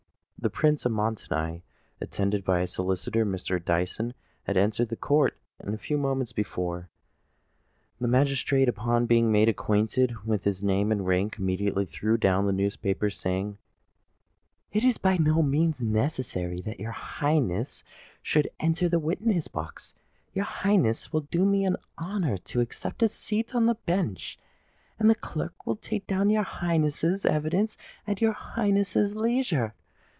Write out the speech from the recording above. The Prince of Montoni, attended by his solicitor, Mr. Dyson, had entered the court a few moments before; and the magistrate, upon being made acquainted with his name and rank, immediately threw down the newspaper, saying, "It is by no means necessary that your Highness should enter the witness box: your Highness will do me the honour to accept a seat on the bench; and the clerk will take down your Highness's evidence at your Highness's leisure.